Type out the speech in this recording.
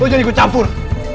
lo jadi kecampur